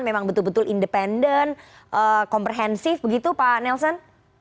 memang betul betul independen komprehensif begitu pak nelson